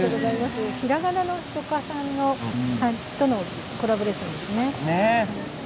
ひらがなの書家さんとのコラボレーションです。